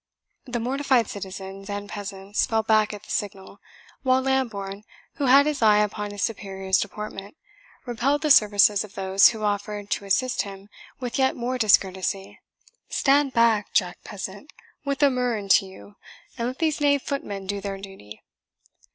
The mortified citizens and peasants fell back at the signal; while Lambourne, who had his eye upon his superior's deportment, repelled the services of those who offered to assist him, with yet more discourtesy "Stand back, Jack peasant, with a murrain to you, and let these knave footmen do their duty!"